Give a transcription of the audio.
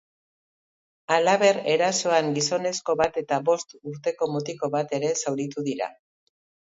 Halaber, erasoan gizonezko bat eta bost urteko mutiko bat ere zauritu dira.